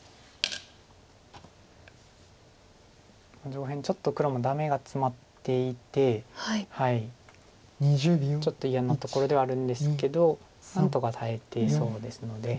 上辺ちょっと黒もダメがツマっていてちょっと嫌なところではあるんですけど何とか耐えていそうですので。